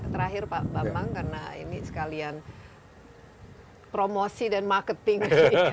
terakhir pak bambang karena ini sekalian promosi dan marketing